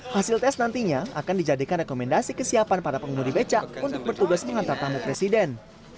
hasil tes nantinya akan dijadikan rekomendasi kesiapan para pengemudi becak untuk bertugas mengantar tamu presiden